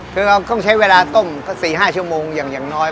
คือเราต้องใช้เวลาต้ม๔๕ชั่วโมงอย่างน้อย